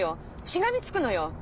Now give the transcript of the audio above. しがみつくのよ！